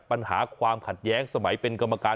ปัญหาความขัดแย้งสมัยเป็นกรรมการ